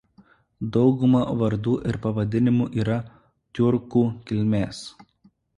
Dauguma vardų ir pavadinimų yra tiurkų kilmės.